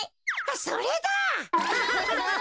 それだ！